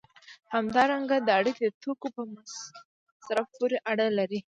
همدارنګه دا اړیکې د توکو په مصرف پورې اړه لري.